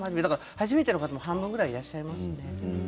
初めての方が半分ぐらいいらっしゃいました。